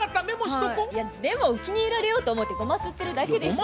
いやでも気に入られようと思ってゴマすってるだけでしょ。